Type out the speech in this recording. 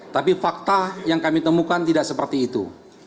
tapi fakta yang kami temukan tidak seperti itu